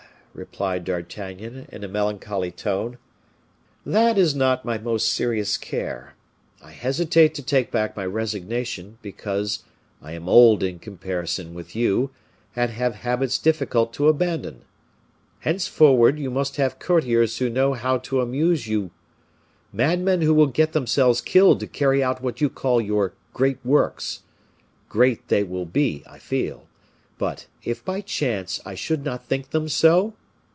replied D'Artagnan, in a melancholy tone, "that is not my most serious care. I hesitate to take back my resignation because I am old in comparison with you, and have habits difficult to abandon. Henceforward, you must have courtiers who know how to amuse you madmen who will get themselves killed to carry out what you call your great works. Great they will be, I feel but, if by chance I should not think them so?